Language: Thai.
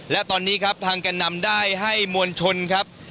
และตอนนี้ครับทางแก่นำได้ให้มวลชนครับ